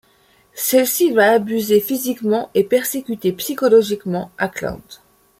Celle-ci va abuser physiquement et persécuter psychologiquement Ackland.